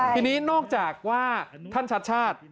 ทีนี้นอกจากว่าท่านชัดชาติ